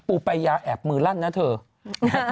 ปายาแอบมือลั่นนะเถอะ